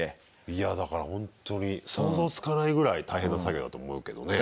いやだからほんとに想像つかないぐらい大変な作業だと思うけどね。